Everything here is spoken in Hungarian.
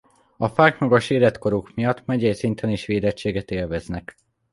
A fák magas életkoruk miatt megyei szinten is védettséget élveznek.